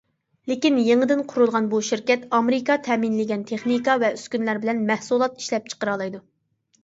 لېكىن يېڭىدىن قۇرۇلغان بۇ شىركەت ئامېرىكا تەمىنلىگەن تېخنىكا ۋە ئۈسكۈنىلەر بىلەن مەھسۇلات ئىشلەپچىقىرالايدۇ .